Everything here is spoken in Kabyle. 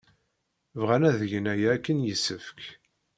Bɣan ad gen aya akken yessefk.